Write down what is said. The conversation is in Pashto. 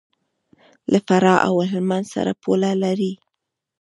له فراه او هلمند سره پوله لري.